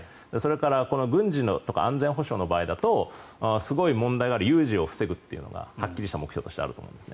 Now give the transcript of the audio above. あとは、この軍事とか安全保障の場合だとすごい問題がある有事を防ぐというはっきりした目標としてあると思うんです。